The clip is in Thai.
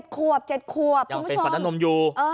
อ๋อ๗ขวบ๗ขวบคุณผู้ชมเป็นฟันน้ำนมอยู่